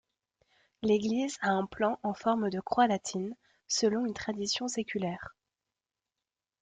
L'église a un plan en forme de croix latine, selon une tradition séculaire.